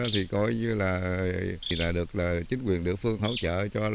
thì coi như là được là chính quyền địa phương hỗ trợ cho